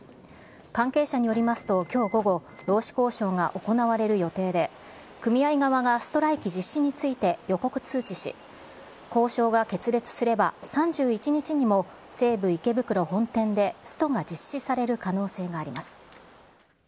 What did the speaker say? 関係者によりますと、きょう午後、労使交渉が行われる予定で、組合側がストライキ実施について予告通知し、交渉が決裂すれば、３１日にも西武池袋本店でストが実施される可能性があります。